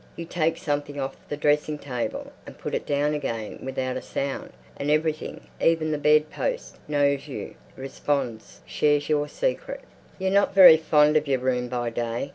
You take something off the dressing table and put it down again without a sound. And everything, even the bed post, knows you, responds, shares your secret.... You're not very fond of your room by day.